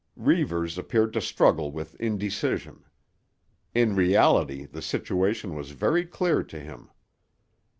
Reivers appeared to struggle with indecision. In reality the situation was very clear to him.